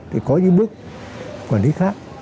để có những bước quản lý khác